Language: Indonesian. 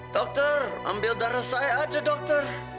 dokter ambil darah saya aja dokter